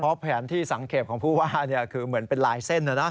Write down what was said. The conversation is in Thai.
เพราะแผนที่สังเกตของผู้ว่าคือเหมือนเป็นลายเส้นนะนะ